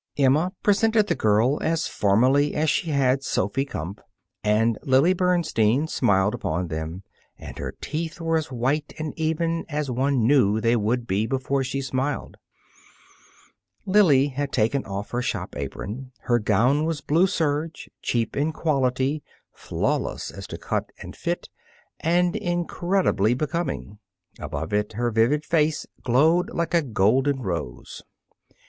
Emma presented the girl as formally as she had Sophy Kumpf. And Lily Bernstein smiled upon them, and her teeth were as white and even as one knew they would be before she smiled. Lily had taken off her shop apron. Her gown was blue serge, cheap in quality, flawless as to cut and fit, and incredibly becoming. Above it, her vivid face glowed like a golden rose.